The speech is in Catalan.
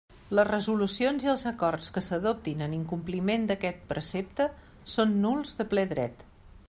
Les resolucions i els acords que s'adoptin en incompliment d'aquest precepte són nuls de ple dret.